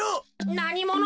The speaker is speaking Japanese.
なにもの？